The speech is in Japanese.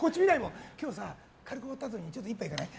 今日、軽く終わったあとにちょっと一杯行かない？